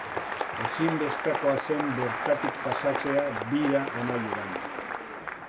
Ezinbestekoa zen bertatik pasatzea bira amaieran.